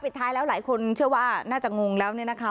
ท้ายแล้วหลายคนเชื่อว่าน่าจะงงแล้วเนี่ยนะคะ